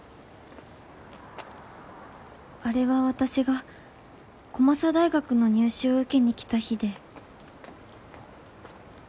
あれは私が小正大学の入試を受けに来た日で。